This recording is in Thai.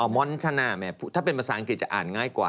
ม้อนชนะถ้าเป็นภาษาอังกฤษจะอ่านง่ายกว่า